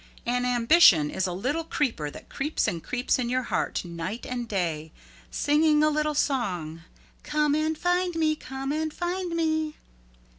An ambition is a little creeper that creeps and creeps in your heart night and day, singing a little song, "Come and find me, come and find me."